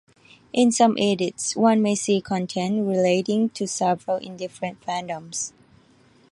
In some edits, one may see content relating to several different fandoms.